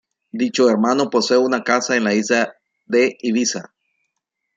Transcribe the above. Dicho hermano posee una casa en la isla de Ibiza.